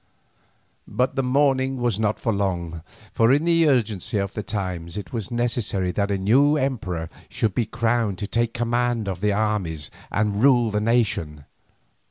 But the mourning was not for long, for in the urgency of the times it was necessary that a new emperor should be crowned to take command of the armies and rule the nation.